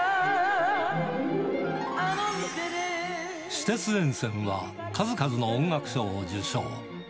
私鉄沿線は数々の音楽賞を受賞。